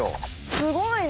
すごいね！